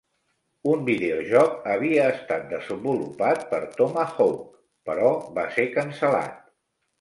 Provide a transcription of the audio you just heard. Un videojoc havia estat desenvolupat per Tomahawk, però va ser cancel·lat.